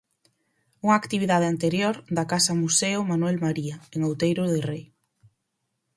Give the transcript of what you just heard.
Unha actividade anterior da Casa Museo Manuel María, en Outeiro de Rei.